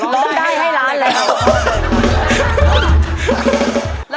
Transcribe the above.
ก็ได้ให้ร้านเลย